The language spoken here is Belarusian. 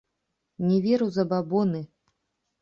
Не вер у забабоны.